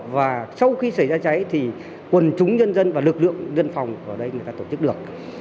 và sau khi xảy ra cháy quần chúng dân dân và lực lượng dân phòng ở đây tổ chức được